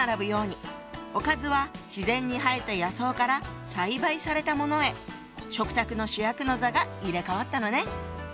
おかずは自然に生えた野草から栽培されたものへ食卓の主役の座が入れ代わったのね。